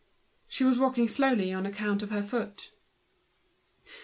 She was walking slowly oil account of her foot.